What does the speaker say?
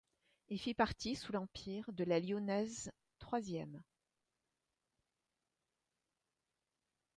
Il fit partie, sous l'Empire, de la Lyonnaise troisième.